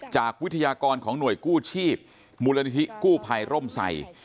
วิทยากรของหน่วยกู้ชีพมูลนิธิกู้ภัยร่มใส่